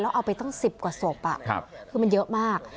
เอาไปตั้ง๑๐กว่าศพคือมันเยอะมาก